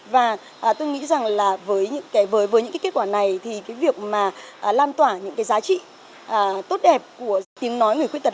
và tôi nghĩ rằng là với những kết quả này thì việc làm tỏa những giá trị tốt đẹp của tiếng nói người khuyết tật